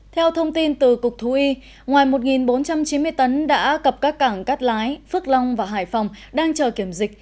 theo thông tin từ cục thú y ngoài một bốn trăm chín mươi tấn đã cập các cảng cát lái phước long và hải phòng đang chờ kiểm dịch